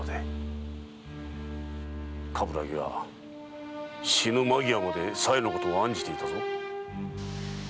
鏑木は死ぬ間際まで小夜のことを案じていたぞ。